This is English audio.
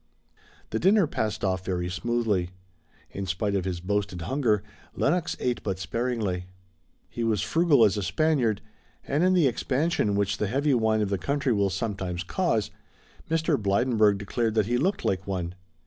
The dinner passed off very smoothly. In spite of his boasted hunger, Lenox ate but sparingly. He was frugal as a Spaniard, and in the expansion which the heavy wine of the country will sometimes cause, Mr. Blydenburg declared that he looked like one.